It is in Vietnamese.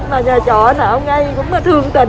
mà nhà chọ nào ông ấy cũng thương tình